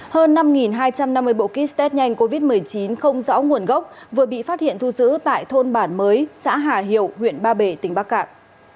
hơn năm hai trăm năm mươi bộ kit test nhanh covid một mươi chín không rõ nguồn gốc vừa bị phát hiện thu giữ tại thôn bản mới xã hà hiệu huyện ba bể tỉnh bắc cạn